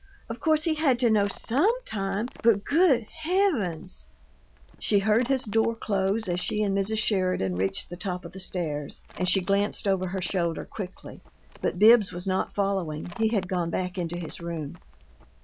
Of course he had to know SOME time! But, good heavens " She heard his door close as she and Mrs. Sheridan reached the top of the stairs, and she glanced over her shoulder quickly, but Bibbs was not following; he had gone back into his room.